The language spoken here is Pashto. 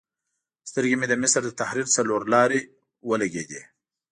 سترګې مې د مصر د تحریر څلور لارې ولګېدې.